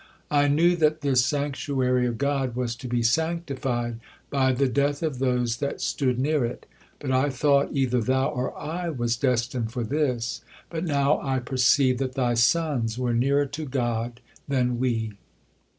I knew that this sanctuary of God was to be sanctified by the death of those that stood near it, but I thought either thou or I was destined for this, but now I perceive that thy sons were nearer to God than we."